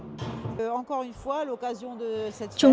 tiết mục văn nghệ đã được trình diễn